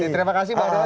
terima kasih mbak adela